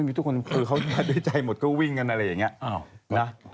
มีทุกคนคือเขามาด้วยใจหมดก็วิ่งกันอะไรอย่างนี้นะ